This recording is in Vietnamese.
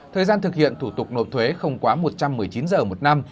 thời gian thực hiện thủ tục nộp thuế không quá một trăm một mươi chín giờ một năm